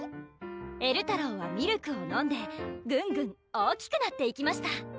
えるたろうはミルクを飲んでぐんぐん大きくなっていきました